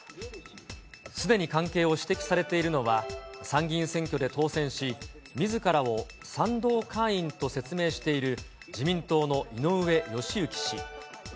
すでに関係を指摘されているのは、参議院選挙で当選し、みずからを賛同会員と説明している自民党の井上義行氏。